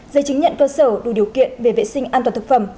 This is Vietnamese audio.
giấy chứng nhận cơ sở đủ điều kiện về vệ sinh an toàn thực phẩm